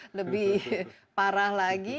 ya tidak lebih parah lagi